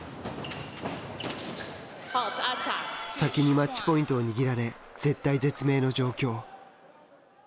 先にマッチポイントを握られ絶体絶命の状況。